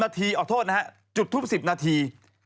นาทีขอโทษนะฮะจุดทูป๑๐นาที